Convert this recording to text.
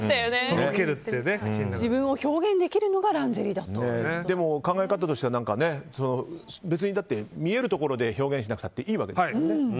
自分を表現できるのが考え方としては、別に見えるところで表現しなくたっていいわけですもんね。